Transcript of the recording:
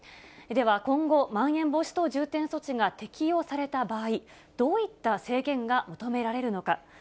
では、今後、まん延防止等重点措置が適用された場合、どういった制限が求められるのか。